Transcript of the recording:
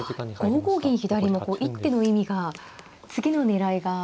５五銀左も一手の意味が次の狙いが。